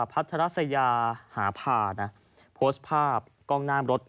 พัฒนาสยาหาผ่าโพสต์ภาพกล้องน้ำรถ